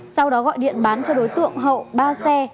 sau đó gọi điện bán cho đối tượng hậu ba xe